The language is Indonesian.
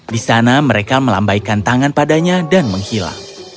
di sana mereka melambaikan tangan padanya dan menghilang